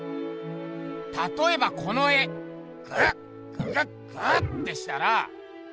たとえばこの絵グッググッグッてしたら。